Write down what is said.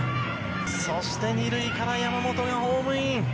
そして２塁から山本がホームイン。